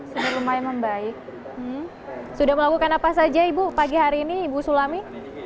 sudah lumayan membaik sudah melakukan apa saja ibu pagi hari ini ibu sulami